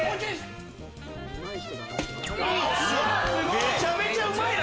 めちゃめちゃうまいな。